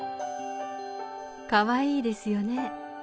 かわいいですよね。